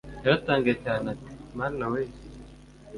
yaratangaye cyane ati “Mana weee!!